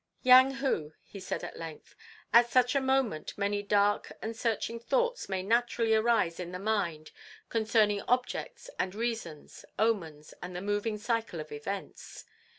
"Yang Hu," he said at length, "at such a moment many dark and searching thoughts may naturally arise in the mind concerning objects and reasons, omens, and the moving cycle of events.